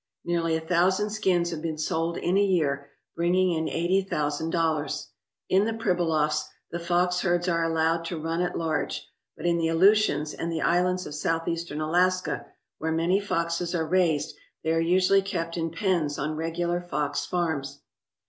Nearly a thousand skins have been sold in a year, bringing in eighty thousand dollars. In the Pribilofs the fox herds are allowed to run at large, but in the Aleutians and the islands of Southeastern Alaska, where many foxes are raised, they are usually kept in pens on regular fox farms.